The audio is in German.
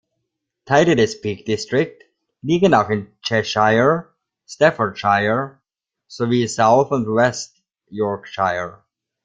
Teile des Peak District liegen auch in Cheshire, Staffordshire sowie South und West Yorkshire.